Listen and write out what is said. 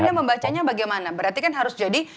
anda membacanya bagaimana berarti kan harus jadi